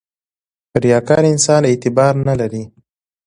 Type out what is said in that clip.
• ریاکار انسان اعتبار نه لري.